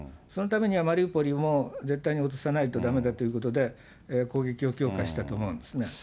そのためにはマリウポリも絶対に落とさないとだめだということで、攻撃を強化したと思うんですね。